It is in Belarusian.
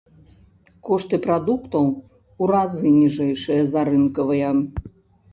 Кошты прадуктаў у разы ніжэйшыя за рынкавыя.